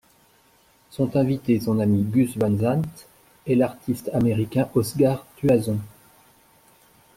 Sont invités son ami Gus Van Sant et l'artiste américain Oscar Tuazon.